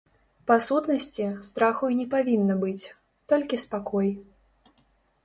Па сутнасці, страху і не павінна быць, толькі спакой.